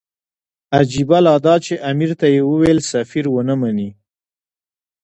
عجیبه لا دا چې امیر ته یې وویل سفیر ونه مني.